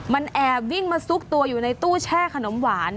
มันแอบวิ่งมาซุกตัวอยู่ในตู้แช่ขนมหวาน